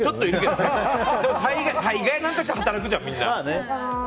でも大概何かしら働くじゃん、みんな。